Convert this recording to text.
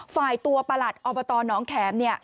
ฝ่ายตัวประหลัดอบตน้องแขมเนี่ย